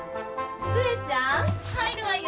・寿恵ちゃん入るわよ。